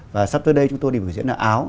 và sắp tới đây chúng tôi đi bửa diễn ở áo